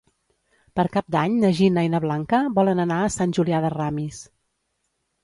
Per Cap d'Any na Gina i na Blanca volen anar a Sant Julià de Ramis.